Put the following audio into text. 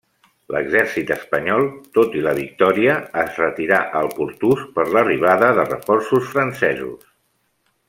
L'exèrcit espanyol, tot i la victòria, es retirà al Portús per l'arribada de reforços francesos.